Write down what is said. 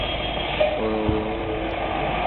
তাঁকে লোকদের সমবেত হওয়ার সংবাদ দিলাম।